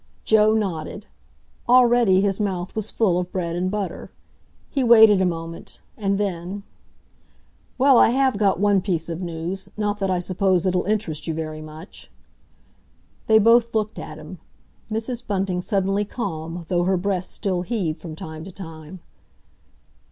Joe nodded. Already his mouth was full of bread and butter. He waited a moment, and then: "Well I have got one piece of news—not that I suppose it'll interest you very much." They both looked at him—Mrs. Bunting suddenly calm, though her breast still heaved from time to time.